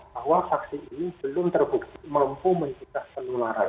bahwa vaksin ini belum terbukti mampu mencegah penularan